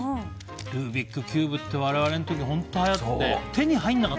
ルービックキューブって我々の時、本当はやって。